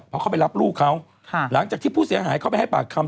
เพราะเขาไปรับลูกเขาหลังจากที่ผู้เสียหายเข้าไปให้ปากคำ